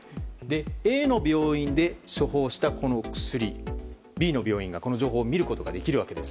Ａの病院で処方した薬をＢの病院がこの情報を見ることができるわけです。